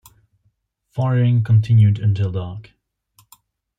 Firing continued until dark.